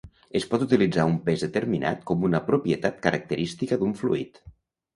Es pot utilitzar un pes determinat com una propietat característica d'un fluid.